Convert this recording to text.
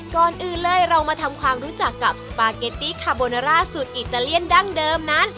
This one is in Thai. ก่อนอื่นเลยเรามาทำความรู้จักกับสปาเกตตี้คาโบนาร่าสูตรอิตาเลียนดั้งเดิมนั้น